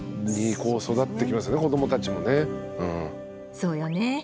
そうよね。